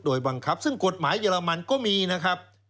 โดยบังคับซึ่งกฎหมายเรมันก็มีนะครับ